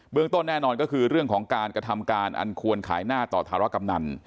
ต้นแน่นอนก็คือเรื่องของการกระทำการอันควรขายหน้าต่อธารกำนัน